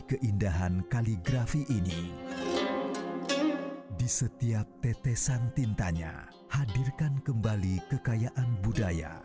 keindahan kaligrafi ini di setiap tetesan tintanya hadirkan kembali kekayaan budaya